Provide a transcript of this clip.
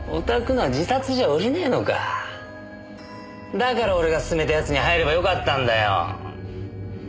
だから俺が勧めたやつに入ればよかったんだよ。